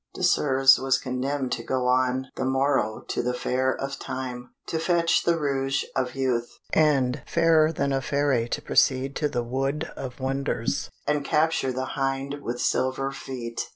Désirs was condemned to go on the morrow to the Fair of Time, to fetch the Rouge of Youth, and Fairer than a Fairy to proceed to the Wood of Wonders, and capture the Hind with Silver Feet.